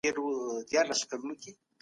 حکومت باید له زورورو څخه حق واخلي.